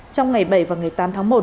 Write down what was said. trong ngày bảy và ngày tám tháng một